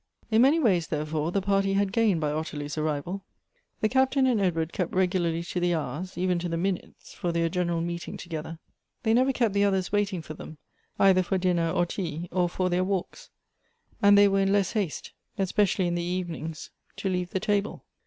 In many ways, therefore, the party had gained by Ottilie's arrival. The Captain and Edward kept regularly to the hours, even to the minutes, for their general meet ing together. They never kept the others waiting for them either for dinner or tea, or for their walks ; and they were in less haste, especially in the evenings, to leave the table.